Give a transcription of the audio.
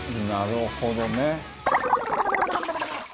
なるほど。